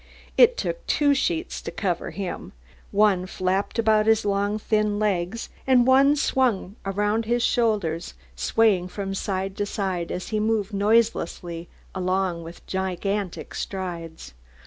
It took two sheets to cover him; one flapped about his long thin legs, and one swung from his shoulders, swaying from side to side as he moved noiselessly along with gigantic strides.